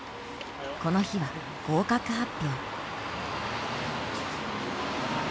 この日は合格発表。